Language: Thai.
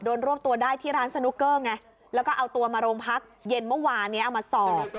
รวบตัวได้ที่ร้านสนุกเกอร์ไงแล้วก็เอาตัวมาโรงพักเย็นเมื่อวานนี้เอามาสอบ